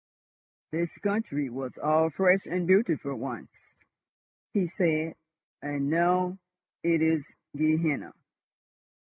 "This country was all fresh and beautiful once," he said; "and now—it is Gehenna.